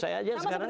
saya aja sekarang